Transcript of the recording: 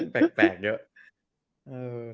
แปลกเยอะ